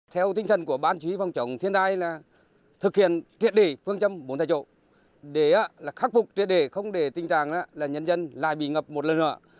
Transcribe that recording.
theo tinh thần của ban chí phòng chống thiên đai là thực hiện triệt để phương chấm bốn tại chỗ để khắc phục triệt để không để tình trạng là nhân dân lại bị ngập một lần nữa